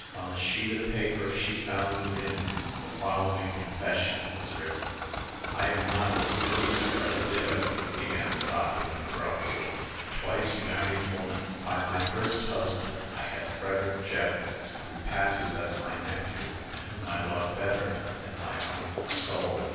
On the sheet of paper she found within the following confession was written :" I am not a spinster, but a widow," began the document abruptly — *'a twice married woman. By my first husband I had Frederick Jevons, who passes as my nephew, and whom I love better than my own soul.